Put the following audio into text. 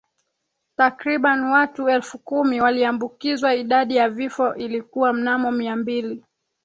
Takriban watu elfu kumi waliambukizwa idadi ya vifo ilikuwa mnamo mia mbili